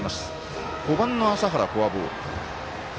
５番の麻原、フォアボール。